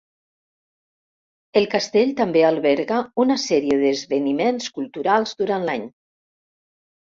El castell també alberga una sèrie d'esdeveniments culturals durant l'any.